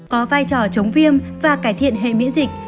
có vai trò chống viêm và cải thiện hệ miễn dịch